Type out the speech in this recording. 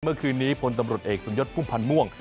เมื่อคืนนี้ผลตำรวจเอกสมยศภูมิภัณฑ์ม่วง